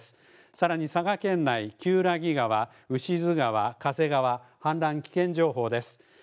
さらに佐賀県内、厳木川、牛津川、嘉瀬川、氾濫危険情報です。